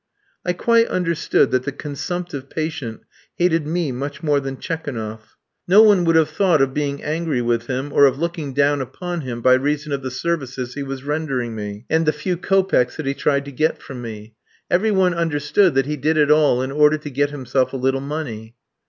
I quite understood that the consumptive patient hated me much more than Tchekounoff. No one would have thought of being angry with him or of looking down upon him by reason of the services he was rendering me, and the few kopecks that he tried to get from me. Every one understood that he did it all in order to get himself a little money.